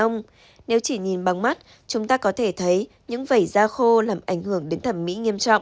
nếu chỉ nhìn bằng mắt chúng ta có thể thấy những vẩy da khô làm ảnh hưởng đến thẩm mỹ nghiêm trọng